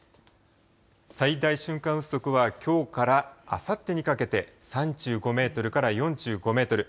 最大瞬間風速はきょうからあさってにかけて３５メートルから４５メートル。